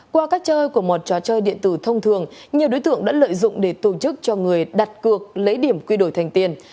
qua các chơi của một trò chơi điện tử thông thường nhiều đối tượng đã lợi dụng để tổ chức cho người đặt cược lấy điểm quy đổi thành tiền